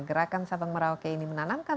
gerakan sabang merauke ini menanamkan